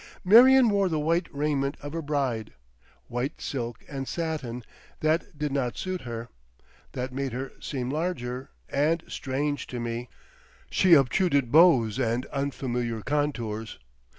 Marion wore the white raiment of a bride, white silk and satin, that did not suit her, that made her seem large and strange to me; she obtruded bows and unfamiliar contours.